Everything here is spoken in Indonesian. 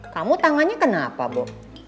kamu tangannya kenapa bu